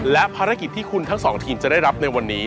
และภารกิจที่คุณทั้งสองทีมจะได้รับในวันนี้